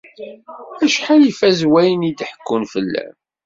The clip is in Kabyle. Acḥal ifaz wayen i d-ḥekkun fell-am.